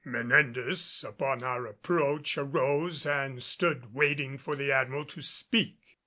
Menendez, upon our approach, arose and stood waiting for the Admiral to speak.